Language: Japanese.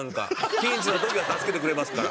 ピンチの時は助けてくれますから。